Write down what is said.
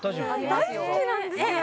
大好きなんですよ